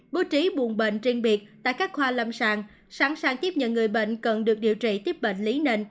bố trí buồn bệnh riêng biệt tại các khoa lâm sàng sẵn sàng tiếp nhận người bệnh cần được điều trị tiếp bệnh lý nền